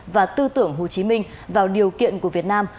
và tư tưởng hồ chí minh vào điều kiện của việt nam